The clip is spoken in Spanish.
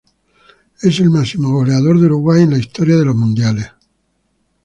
Es el máximo goleador de Uruguay en la historia de los mundiales.